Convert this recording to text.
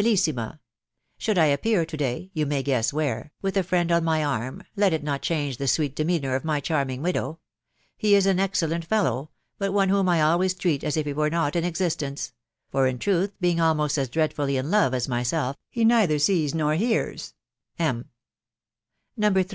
2. " Beijjssiha !" Should I appear to day (you may guess where) with a friend on my arm, let it not change the sweet demeanour of my charming widow. He is an excellent fellow, but one whom I always treat as if he were not in existence ;— for in truth, being almost as dreadfully in love as myself, he neither sees nor hears. te M." No.